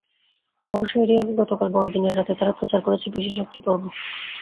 অবশ্য এরই আগে গতকাল বড়দিনের রাতে তারা প্রচার করেছে বিশেষ একটি পর্ব।